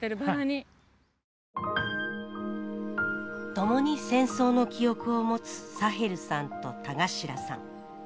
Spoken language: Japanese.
共に戦争の記憶を持つサヘルさんと田頭さん。